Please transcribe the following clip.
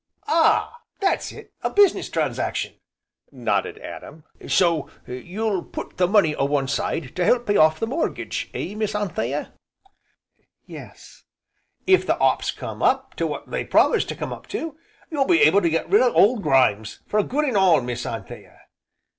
"Ah! that's it, a business transaction!" nodded Adam, "So you'll put the money a one side to help pay off the mortgage, eh, Miss Anthea?" "Yes." "If the 'ops comes up to what they promise to come up to, you'll be able to get rid of Old Grimes for good an' all, Miss Anthea."